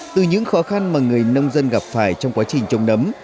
từ những khó khăn mà người nông dân gặp phải trong quá trình trồng nấm